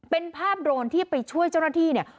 เป็นภาพโดรนที่ไปช่วยเจ้าหน้าที่เนี่ย